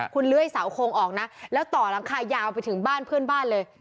คุณเลื่อยเสาโครงออกนะแล้วต่อหลังคายาวไปถึงบ้านเพื่อนบ้านเลย